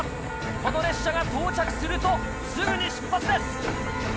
この列車が到着するとすぐに出発です。